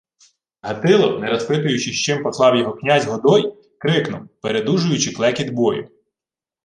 Гатило, не розпитуючи, з чим послав його князь Годой, крикнув, передужуючи клекіт бою: